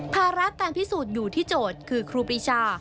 ภาระการพิสูจน์อยู่ที่โจทย์คือครูปรีชา